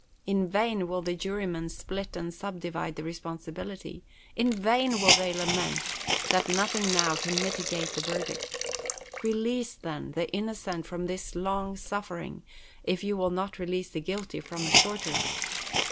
In vain will the jurymen split and subdivide the responsibility; in vain will they lament that nothing now can mitigate the verdict. Release, then, the innocent from this long suffer ing, if you will not release the guilty from a shorter.